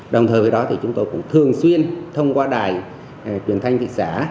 đồng thời với đó thì chúng tôi cũng thường xuyên thông qua đài truyền thanh thị xã